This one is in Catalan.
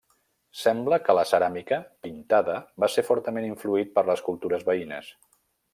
Sembla que la ceràmica pintada va ser fortament influït per les cultures veïnes.